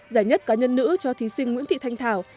giải nhất cá nhân nữ cho thí sinh nguyễn thị thanh thảo